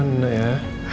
pelan pelan din ya